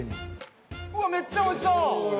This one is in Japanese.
うわめっちゃおいしそう！うわ。